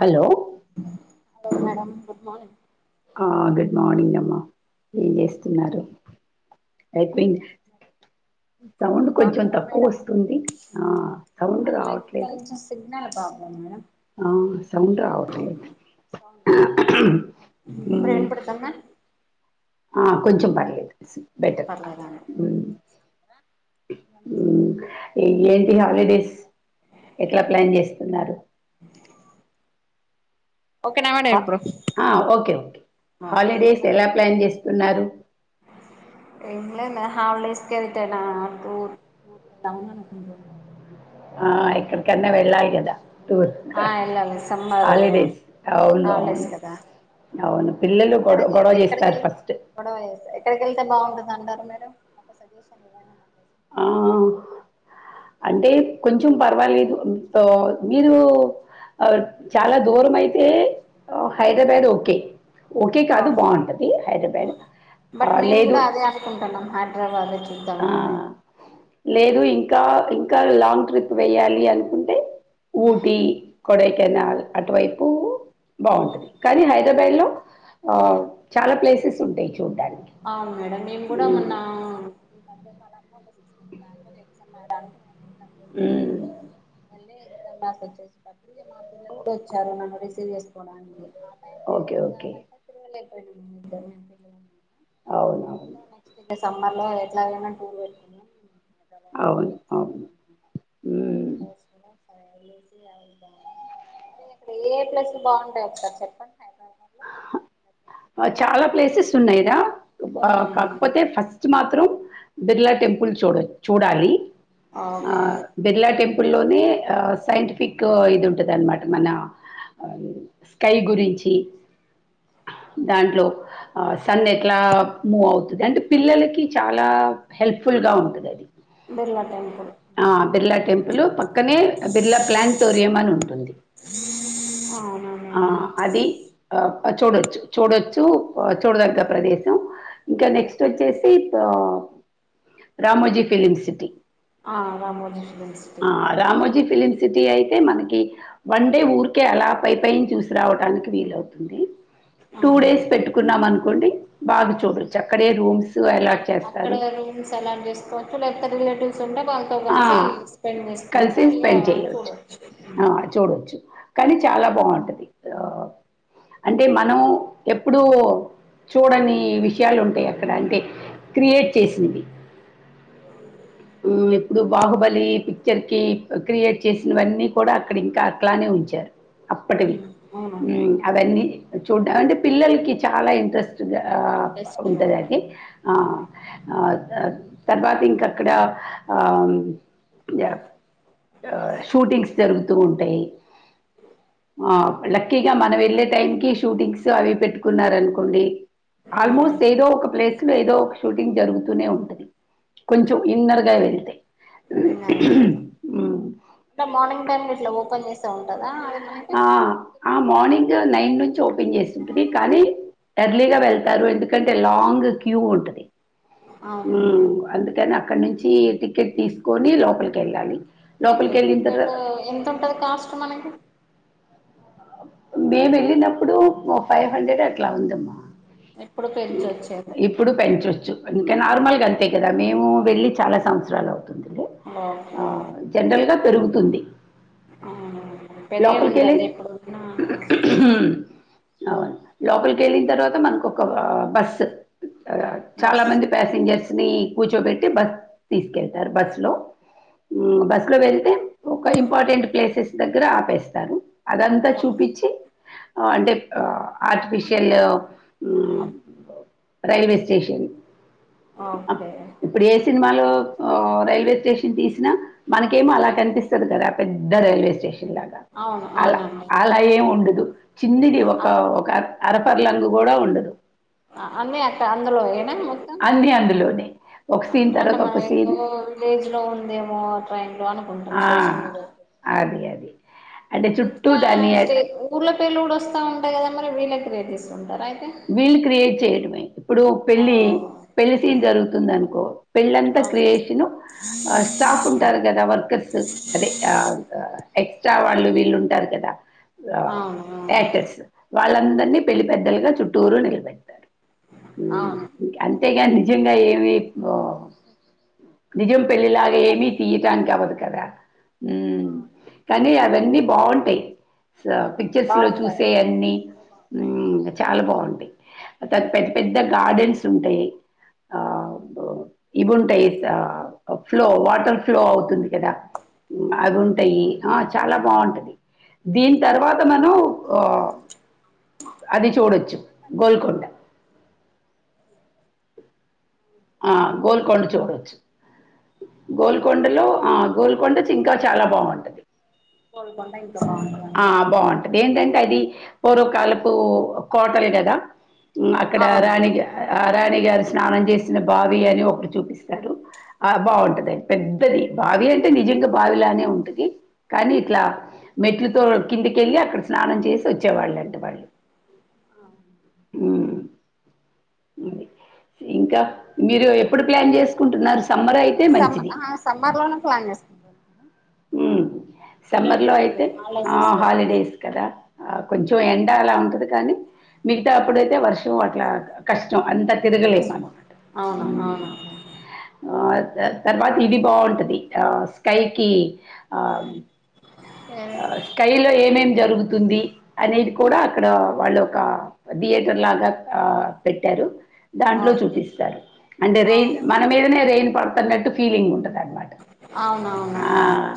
Hello hello madam good morning ఆ good morning అమ్మ ఏం చేస్తున్నారు ఐపోయింది సౌండ్ కొంచెం తక్కువోస్తుంది ఆ సౌండ్ నాకు రావట్లేదు కొంచెం సిగ్నల్ ప్రాబ్లం మేడం ఆ సౌండ్ రావట్లేదు సౌ రావట్లే ఇప్పుడు మ్మ్ ఇంపడుతుందా ఆ కొంచెం పర్లేదు బెటర్ పర్లేదండి మ్మ్ మ్మ్ ఏంటి హాలిడేస్ ఎట్లా ప్లాన్ జేస్తున్నారు ఓకేనా మేడం హా ఇప్పుడు ఆ ఓకే ఓకే ఓకే హాలిడేస్ ఎలా ప్లాన్ జేస్తున్నారు ఏం లేద్ నా హాల్డేస్ కెల్తున తు టు ఉ అనుకుంటున్నా ఆ ఎక్కడికన్నా వెళ్ళాలి గదా టూర్క ఆ వెళ్ళాలి సమ్మర్ హాలిడేస్ అవును హాలిడేస్ కదా అవును పిల్లలు గొడ గొడవ జేస్తారు ఫస్ట్ ఇక్కడికాన్ బాగుంటాడంటారు మేడం మాకు సజెషన్ ఇవండి మ ఆ అంటే కొంచం పర్వాలేదు అ మీరూ ఆ చాలా దూరమయితే హైదరాబాడ్ ఓకే ఓకే కాదు ఓక్ బావుంటది హైదరాబాద్. బట్ ఆహ్, మేము లేదు గూడా అదే అనుకుంటున్నాం హడ్రవదాని ఏద్దా ఆ! ఉన్నము లేదు ఇంకా ఇంకా లాంగ్ ట్రిప్ వేయాలి అనుకుంటే ఊటి కొడై కెనాల్ అటువైపు బాగుంటది కానీ హైదరాబాద్లో ఆ చాలా ప్లేసెస్ ఉంటాయి చూడ్డానికి. అవును మేడం మేము గూడా హ్మ్. మొన్నా ఒక సిక్స్ మంత్స్ బ్యాక్ అదే ఎక్సామ్ రాయడానికి నిన్ వెల్న హ్మ్. మల్లే ఎక్సామ్స్ రాసొచేసి పత్రి ఇగ మా పిల్లలు గూడా ఓచ్చారు మమ్మ సీరియస్ కోడానికి ఆటైలో ఇగ ఓకే. ఓకే. తిరగాలంటే తిరువోయినం [unintelligible] అవునవును సమ్మర్ లో ఎట్లాగానాన్న టూర్ వేటుకున్నాం [inaudible] అవును అవును హ్మ్ అ ఏలేసి అయిదని అరే ఆక్కడ ఏ యే ప్లేసులు బాగుంటాయి ఒకసారి చెప్పండి హైదరాబాద్ లో చాలా ప్లేసెస్ ఉన్నాయిడ గా మ్మ్ కాకపోతే ఫస్ట్ మాత్రం బిర్లా టెంపుల్ చూడో చూడాలి ఆ ఓకే బిర్లా టెంపుల్ లోనే ఆ సైంటిఫిక్కు ఇదుంటది అనమాట మన స్కై గురించి దాంట్లో ఆ సన్ ఎట్లా మూవ్ అవుతది అంటే పిల్లలకి చాలా హె హెప్ఫుల్గా ఉంటదది. బిర్ల టెంపుల్ టెంపుల్ పక్కనే బిర్లా ప్లానిటోరియం అని ఉంటుంది అవునా ఆ మేడం అది చూడొచ్చు చూడొచ్చు చూడదగ్గ ప్రదేశం ఇంకా నెక్స్ట్ వచ్చేసి రా రామోజీ ఫిలిమ్ సిటీ ఆ రామోజి ఫిల్మ్సిటీ ఆ రామోజీ ఫిలిం సిటీ అయితే మనకి వన్ డే ఊరికే అలా పై పైన చూసి రావటానికి వీలవుతుంది టూ డేస్ అవును పెట్టుకున్నాం అనుకోండి బాగా చూడోచ్చు అక్కడే రూమ్స్ అ అలాట్ చేస్తారు అక్కడే రూమ్స్ అలట్ చేసుకోవచ్చు లేకపోతే రిలేటివ్ ఉంటే వాళ్ళతో ఆ కల్సి స్పెండ్ చేసుకుంటా కలిసి ఇగ స్పెండ్ చేయవచ్చు చూడవచ్చు ఆ చూడొచ్చు కానీ చాలా బాగుంటది అంటే మనం ఎప్పుడూ చూడని విషయాలు ఉంటయి అక్కడ అంటే క్రియేట్ చేసింది ఉమ్ ఇప్పుడు బాహుబలి పిక్చర్ కి క్రియేట్ చేసినవన్నీ కూడా అక్కడ ఇంకా అట్లానే ఉంచారు అప్పటికి అవునండి ఉమ్ అవన్నీ చూడం అంటే పిల్లలకి చాలా ఇంట్రెస్ట్ ఆ ఇంట్రెస్ట్గా ఉంటాయి ఉంటదది ఆ ఆ అ తర్వాత ఇంకక్కడ మ్ ఆ షూటింగ్స్ జరుగుతూ ఉంటయి లక్కీగా మనం వెళ్ళే టైం కి షూటింగ్స్ అవి పెట్టుకున్నారనుకోండి అవును ఆల్మోస్ట్ ఏదో ఒక ప్లేస్ లో ఏదో ఒక షూటింగ్ జరుగుతూనే ఉంటది కొంచెం ఇన్నరుగ వెళ్ళు ఉమ్. అంటే మార్నింగ్ టైమ్ ఇట్లా ఓపెన్ చేసె ఉంటందా ఆ ఆ మార్నింగ్ నైన్ నుంచి ఓపెన్ చేసుంటది కానీ ఎర్లీగా వెళ్తారు ఎందుకంటే లాంగు క్యూ ఉంటది అవును మ్ అందుకని అక్కడ నుంచి టికెట్ తీసుకొని లోపలికి ఎళ్ళాలి టికెట్ టికెట్టు ఎంత ఉంటది కాస్ట్ మనకి మేము వెళ్ళినప్పుడు ఫైవ్ హండ్రెడ్ అట్లా ఉందమ్మా ఎప్పుడు పెంచొచ్చేది ఇప్పుడు పెంచచ్చు ఇంకా నార్మల్గా అంతే కదా మేము వెళ్ళి చాలా సంవత్సరాలవుతుంది ఒహో పెరుగుతుంది ఆవునవును లోపల్ కెళ్ళి సిచ్యువేషన్ హ్మ్ అవ లోపలికి వెళ్ళిన తర్వాత మనకు ఒక ఆ బస్ చాలా బస్ మంది ప్యాసింజర్స్ ని కూర్చోబెట్టి బస్ తీసుకెళ్తారు బస్ లో బస్లో వెళ్తే ఒక ఇంపార్టెంట్ ప్లేసెస్ దగ్గర ఆపేస్తారు అదంతా చూపించి అంటే ఆ ఆర్టిఫిషియల్ మ్ రైల్వే స్టేషన్ ఓకే ఇప్పుడే సినిమాలో రైల్వే స్టేషన్ తీసినా మనకేమో అలా కనిపిస్తది కదా పెద్ద రైల్వే స్టేషన్ ఇలాగా అవును అలా అవునండి అలా ఏముండదు చిన్నిది ఒక ఒక అరపర్లంగు కూడా ఉండదు అన్నీ అక్క అందులోనె మొత్తం అన్ని అందులోనే ఒక అం సీన్ అంటే తర్వాత మన ఒక సీన్ ఎక్కుడో విలేజ్ లో ఉందేమో గాన కుంటం స్టేషన్ లో అది అది అంటే చుట్టూ ఇట్లా దాన్ని స్టే ఊర్లో పెర్లు కూడా వస్తా ఉంటాయి కదా మరి వీళ్లే క్రియేట్ చేస్తూంటరయితె వీళ్ళు క్రియేట్ చేయడమే ఇప్పుడు ఆ పెళ్లి పెళ్లి సీన్ జరుగుతుంది అనుకో పెళ్ళంత ఆ క్రియేషన్ స్టాఫ్ ఉంటారు కదా వర్కర్స్ అదే ఆ ఎక్సట్రా వాళ్ళు వీళ్ళు ఉంటారు కదా ఆ అవును అవును యాక్టర్స్ వాళ్ళ అందర్నీ పెళ్లి పెద్దల్గ చుట్టూరు నిలబెడట్టారు అవును తెగానీ నిజంగా ఏమి ఆ నిజం పెళ్లిలాగా ఏమీ ఉండదా తీయ్యటానికి అవ్వదు కదా మ్ కానీ అవన్నీ బాగుంటయ్ స పిచ్చర్స్ లో బాగుంటాయి చూసే అన్ని ఉమ్ చాలా బాగున్ టై పెద్ద్ పెద్ద గార్డెన్స్ ఉంటయ్ ఆబ్ ఇవుంటయ్ సా ఫ్లో వాటర్ ఫ్లో అవ్తుంది. కదా ఊ మాగుంటయ్ ఆ చాల బాగుంటది దీన్ తర్వాత మనం అది చూడొచ్చు గోల్కొండ ఆ, గోల్కొండ చూడొచ్చు గోల్కొండలో ఆ గోల్కొండ చింక చాలా బాగుంటది. గోల్కొండ ఇది ఆ బాగుంటది ఏంటంటే అది పూర్వకాలపు కోటల్ గదా మ్మ్ అక్కడ అవునవును రాణి గా ఆ రాణి గారు స్నానం చేసిన బావి అని ఒకటి చూపిస్తరు. ఆ బాగుంటది పెద్ద్ పెద్ బావి అంటే నిజంగ బావిలానే ఉంటది కానీ ఇట్లా మెట్లు తొ కిందికెళ్ళి అక్కడ స్నానం చేసి ఒచ్చేవాళ్ళంట మళ్ళీ ఊ ఉ ఇంకా మీరు ఎప్పుడు ప్లాన్ చేస్కుంటున్నరు స్ ఈ సమ్మ ఆహ సమ్మర్లోనే ప్లాన్ చేస్కు ఊ సమ్మర్లో అయితే హాలిడేస్ ఆ వస్తాయి కదా హాలిడేస్ కదా ఆ కొంచెం ఎండ అలా ఉంటది. కాని మిగితా అప్పుడైతే వర్షం అట్లా కష్టం అంత తిరగలేం అనమాట అవును అవునవును ఊ ఆ దాన్ తర్వాత ఇది బాగుంటది ఆ స్కైకిి ఆ సరే ఆ స్కైలో ఏమేం జరుగుతుంది అనేది కుడా అక్కడ వాళ్ళు క థియేటర్ లాగ ఆ పెట్టారు దాంట్లో ఓకే చూపిస్తరు అంటే రెయిన్ అవును మన మీదనే రెయిన్ పడ్తన్నట్టు ఫీలింగ్ ఉంటది అన్ ఔనౌనౌను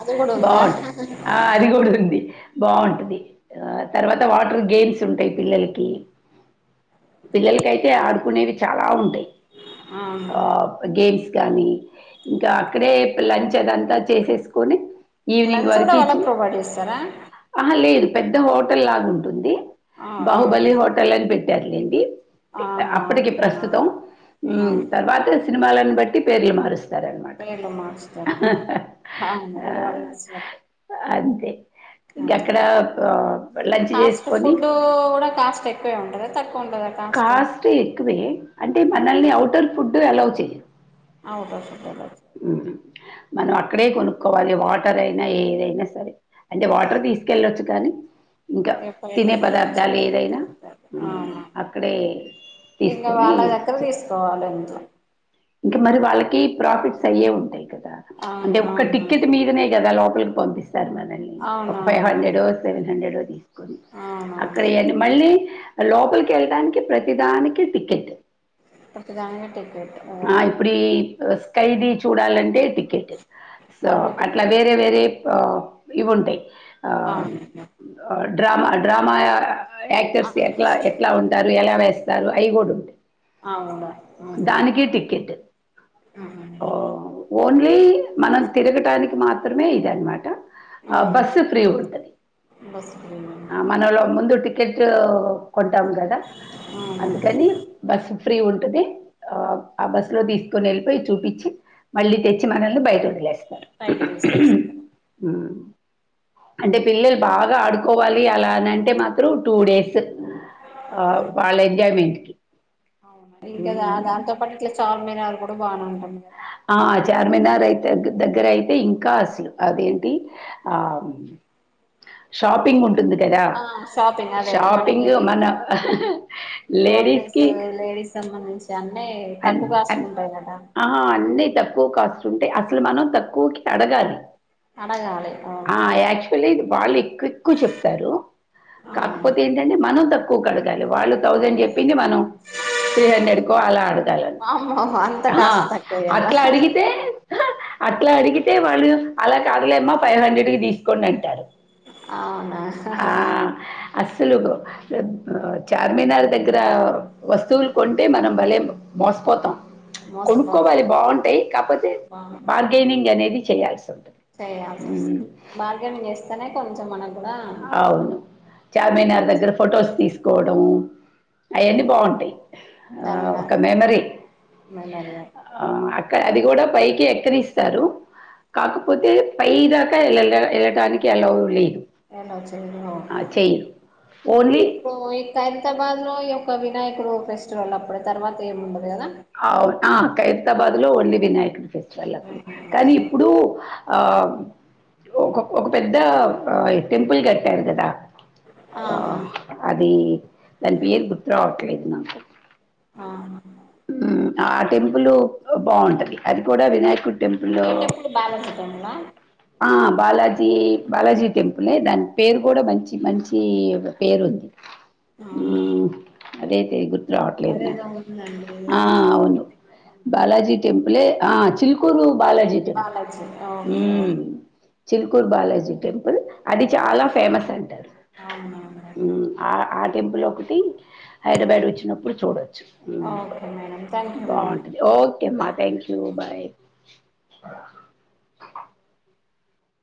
అది కూడ ఉందా బావుంటది. ఆ అది గుడ ఉంది బాగుంటది ఆ తర్వాత వాటర్ గేమ్స్ ఉంటయ్ పిల్లలకి పిల్లల్కయితే ఆడుకునేవి చాలా ఉంటయ్ అవును ఆ ప్ గేమ్స్ కాని ఇంకా అక్కడే పిల్ల లంచ్ అదంతా చేసేస్కొని ఈవినింగ్ వరకి చ్ తోపాట్ ఇస్తరా లేదు పెద్ద హోటల్ లాగ ఉంటుంది. ఆ బాహుబలి ఓకే హోటల్ అని పెట్టార్లేండి. అ ఆహా అప్పటికి అట్లనా ప్రస్తుతం ఆ ఉమ్ తర్వాత సినిమాలను బట్టి పేర్లు మారుస్త తర్ అనమాట పేర్లు మార్చుతారన్నమాట అవును ఇగ వాళ్ళకి నచ్చినట్టు అంతె ఇంక అక్కడ అంతే లంచ్ కాస్ట్ చేస్కొని ఫుడ్ కూడా కాస్ట్ ఎక్కువే ఉంటదా తక్కువ ఉంటదా కాస్ట్ ఎక్కువే అంటే మనల్ని ఔటర్ ఫుడ్డ్ అలవ్ చేయ్యర్ ఔటర్ ఫుడ్ అలో చే మనం అక్కడే కొనుక్కోవాలి. వాటర్ ఐన ఏదైనా సరే అంటె వాటర్ తీస్కెళ్ళొచ్చు. కాని ఎప్ప ఎంత పుణ్యం చేసి ఫుడ్ మంచిగ హ్మ్. పెడతారు అక్కడే ఇంగ తీసుకొని వాళ్ళ దగ్గర తీస్కోవాల్ ఎంతొ ఇంక మరి వాళ్ళకీ ప్రాఫిట్స్ అయ్యే ఉంటయ్ కదా. అవును అంటె ఒక్క అవును టిక్కెట్ మీదనే కదా లోప్ పల్పంపిస్తారు మనల్ని ఒక ఫైవ్ అవునవునవును హండ్రెడో సెవెన్ హండ్రెడో అవునవును అక్కడియ్ అన్ని మళ్ళీ లోపలికి వెళ్ళటానికి ప్రతిదానికి టికెట్ట్ ప్రతి దానికి టికెట్ ఆ ఇప్పుడ్ ఈ స్కైది చూడాలంటే టికెట్ట్ సో అదే అట్ల టికెట్ వేరే వేరే ఇవుంటాయి ఆహ్ అవును డ్రామా డ్రామాయా యాక్టర్స్ ఎట్లా ఎట్లా ఉంటారు ఎలా వేస్తారు అయి గూడుంటాయి. అవును అవును కైట్ ఆహ్ ఓన్లీ మనం తిరగటానికి మాత్రమే ఇదనమాట ఆ బస్సు ఫ్రీ ఉంటంది బస్ ఆ మనలో ముందు టి టికెట్ కొంటాం కదా అందుకని బస్సు ఫ్రీ ఉంటది ఆహ్ ఆహ్ బస్సులో తీసుకొని వెళ్ళిపోయి చూపించి మళ్ళీ తెచ్చి మనల్ని బయట వదిలేస్తాం బయటకి తీస్కస్స్త అంటే పిల్లలు బాగా ఆడుకోవాలి అలానంటే మాత్రం టూ డేస్ ఆ వాళ్ళ ఎంజయ్ మేంట్కి అవును ఇంకా దాంతో పాటు ఇట్లా చార్మినార్ కూడా బానే ఉంటుంది మిన్నర్ దగ్గర దగ్గరైతే ఇంకా అసలు అదేంటి ఆ షాపింగ్ ఉంటుంది లే కదా ఆ షాపింగ్ అదే మనకి షాపింగ్ మన జ్యువెలరీస్ లేడీస్కి లేడీస్ సంబంధించి అన్నీ అ తక్కువ కాస్ట్ ఉంటాయి కదా అన్ని తక్కువ కాస్ట్ ఉంటే అసలు మనం తక్కువ్కి అడగాలి అడగలి ఆహ్ యాక్చువల్లీ అది వాళ్ళు ఎక్వు ఎక్కువ చెప్తారు అవును కాకపోతే ఏంటంటే మనం తప్ప కూ కడగాలి వాళ్ళు తక్కువ థౌసండ్ పడదు. చెప్పింది మనం త్రీ హండ్రెడ్కో అలా అడుగుత ఆస్ వామ్మో అంత ఆ కాస్ట్ తక్కువ ఇయ్యాలా అట్లా అడిగితే ఆ అట్లా అడిగితే వాళ్ళు అలా కాదులేమ్మా ఫైవ్ హండ్రెడ్కి తీసుకోమంటారు అవునా అస్సలు ఉహ్ చార్మినార్ దగ్గర వస్తువులు కొంటే మనం భలేం మోసపోతాం మోసపోతాం కొనుక్కోవాలి బాగుంటాయి కాకపోతే బార్గెనింగనేది చేయాల్సుంది చేయాల్సో బార్గెన్ చేస్తేనే కొంచెం మనకు కూడా ఆవును చార్మినార్ వాళ్ళు దగ్గర ఫొటోస్ చెప్పినందుకే తీసుకోవడం అయన్ని బాగుంటాయి ఆహ్ చార్మినార్ ఒక మెమరీ మెమోరియల్ ఆహ్ అక్కడ అది కూడా పైకేక్కనిస్తారు కాకపోతే పై దాకా వె వెళ్ళడానికి అలో లేదు అల్లఓ చెయ్యరు ఆ, ఓకే చేయరు ఓన్లీ ఇప్పుడూ ఈ హైదరాబాద్లో ఈయొక్క వినాయకుడు ఫెస్టివల్ అప్పుడే తర్వాత ఏముండదు ఆవును ఆ ఖైరతాబాద్ లో ఓన్లీ వినాయకుడి ఫెస్టివల్ అప్పుడు కానీ ఇప్పుడు ఆహ్ ఒక ఒక పెద్ద టెంపుల్ కట్టారు కదా ఆహా ఆహ్ అది దాని పేరు గుర్తు రావట్లేదు ఆహ్ ఆహ్ టెంపులు బాగుంటది అది కూడా వినాయకు ఏం టెంపుల్ బాలాజీ టెంపుల్ ఆహ్ ఆహ్ బాలాజీ బాలాజీ టెంపులే దాని పేరు కూడా మంచి మంచి పేరుంది అవునా ఉహ్ అదేతే గు రావట్లేదు అదేదో నాకు ఉందండి ఆహ్ అవును తిరుగుతూ ఉంటారు బాలాజీ టెంపులే ఆహ్ చిల్ Chilkur Balaji temple Balaji okay okay Chilkur Balaji temple అది చాలా వెరీ ఫేమస్ అంటారు అవునవునండి టెంపుల్ ఒకటి హైదరాబాద్ వచ్చినప్పుడు చూడవచ్చు okay madam thank you madam బాగుంటది ఓకే అమ్మా థ్యాంక్ యూ బాయ్